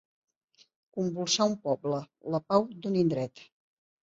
Convulsar un poble, la pau d'un indret.